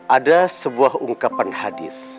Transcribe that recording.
ada sebuah ungkapan hadis